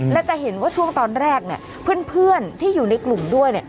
และจะเห็นว่าช่วงตอนแรกเนี่ยเพื่อนที่อยู่ในกลุ่มด้วย